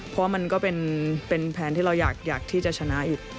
เพราะมันก็เป็นแพลนที่เราอยากที่จะชนะอีก